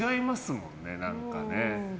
もんね、何かね。